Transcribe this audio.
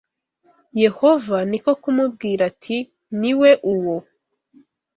Yehova ni ko kumubwira ati ni we uwo